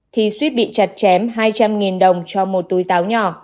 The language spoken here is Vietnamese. thì suýt bị chặt chém hai trăm linh đồng cho một túi táo nhỏ